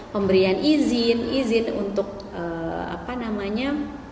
pemberian izin izin untuk apa namanya